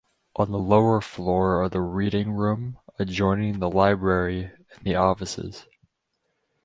On the lower floor are the reading room (adjoining the library) and the offices.